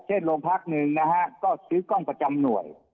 โรงพักหนึ่งนะฮะก็ซื้อกล้องประจำหน่วย